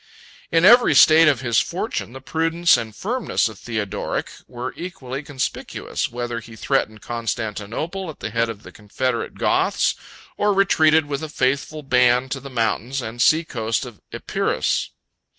—M.] In every state of his fortune, the prudence and firmness of Theodoric were equally conspicuous; whether he threatened Constantinople at the head of the confederate Goths, or retreated with a faithful band to the mountains and sea coast of Epirus.